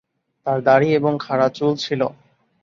তার দাড়ি এবং খাড়া চুল ছিল।